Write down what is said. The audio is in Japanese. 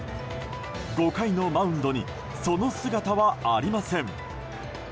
５回のマウンドにその姿はありません。